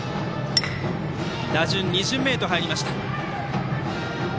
打順２巡目に入りました。